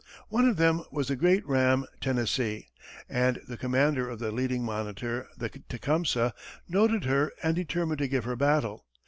One of them was the great ram, Tennessee, and the commander of the leading monitor, the Tecumseh, noted her and determined to give her battle.